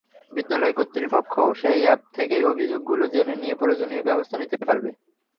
বিদ্যালয় কর্তৃপক্ষও সেই অ্যাপ থেকেই অভিযোগগুলো জেনে নিয়ে প্রয়োজনীয় ব্যবস্থা নিতে পারবে।